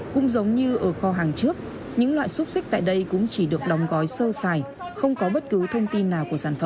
cũng giống như ở kho hàng trước những loại xúc xích tại đây cũng chỉ được đóng gói sơ xài không có bất cứ thông tin nào của sản phẩm